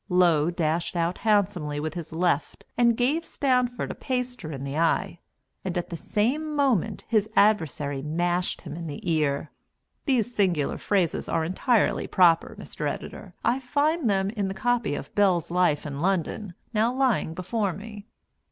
Low dashed out handsomely with his left and gave Stanford a paster in the eye, and at the same moment his adversary mashed him in the ear. (These singular phrases are entirely proper, Mr. Editor I find them in the copy of "Bell's Life in London" now lying before me.)